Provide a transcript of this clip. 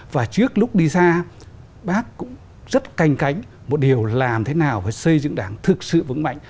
và trước lúc đi xa bác cũng rất canh cánh một điều làm thế nào về xây dựng đảng thực sự vững mạnh